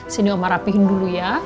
sini oma rapihin dulu ya